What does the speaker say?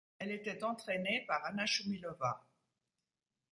Elle était entraînée par Anna Shumilova.